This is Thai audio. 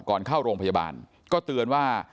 เข้าโรงพยาบาลก็เตือนว่า